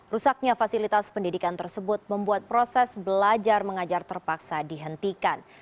rusaknya fasilitas pendidikan tersebut membuat proses belajar mengajar terpaksa dihentikan